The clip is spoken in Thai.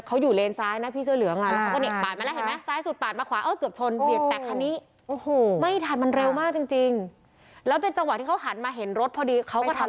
อ่ะเดี๋ยวดูอีกทีนะคุณผู้ชม